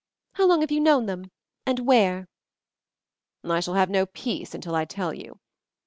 How long have you known them and where?" "I shall have no peace until I tell you.